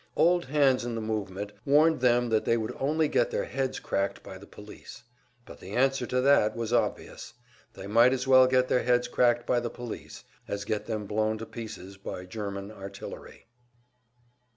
Old hands in the movement warned them that they would only get their heads cracked by the police. But the answer to that was obvious they might as well get their heads cracked by the police as get them blown to pieces by German artillery.